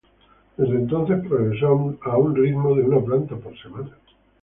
Desde entonces, progresó a un ritmo de una planta por semana.